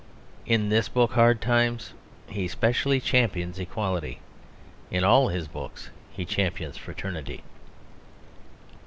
In this book, Hard Times, he specially champions equality. In all his books he champions fraternity.